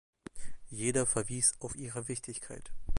Jeder verwies auf ihre Wichtigkeit.